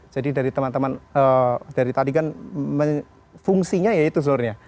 jadi dari teman teman dari tadi kan fungsinya itu seluruhnya